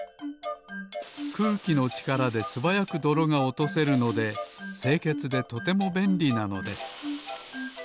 くうきのちからですばやくどろがおとせるのでせいけつでとてもべんりなのです